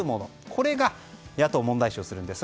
これが野党、問題視するんです。